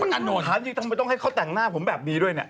ค้านจริงต้องทั้งใบให้เขาแต่งหน้าผมแบบนี้ด้วยนะ